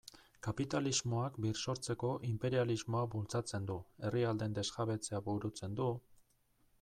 Kapitalismoak birsortzeko inperialismoa bultzatzen du, herrialdeen desjabetzea burutzen du...